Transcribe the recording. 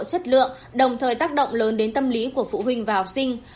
chất lượng đồng thời tác động lớn đến tâm lý của phụ huynh và học sinh